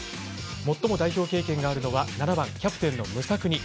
最も代表経験があるのは７番キャプテンのムサクニ。